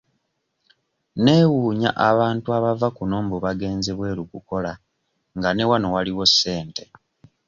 Neewuunya abantu abava kuno mbu bagenze bweru kukola nga ne wano waliwo ssente.